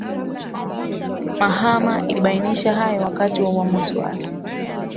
mahama ilibainisha hayo wakati wa uamuzi wake